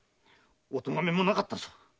お咎めもなかったぞ！